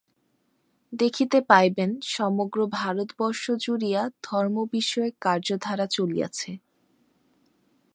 দেখিতে পাইবেন, সমগ্র ভারতবর্ষ জুড়িয়া ধর্মবিষয়ক কার্যধারা চলিয়াছে।